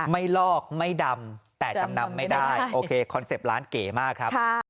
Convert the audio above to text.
ลอกไม่ดำแต่จำนำไม่ได้โอเคคอนเซ็ปต์ร้านเก๋มากครับ